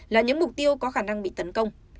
là những mục tiêu có khả năng bị tấn công